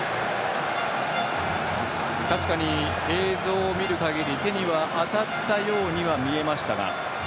確かに映像を見るかぎり手には当たったようには見えましたが。